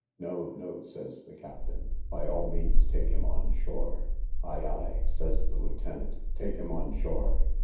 No, no, says the captain; by all means take him on shore. Ay, ay, says the lieutenant, take him on shore.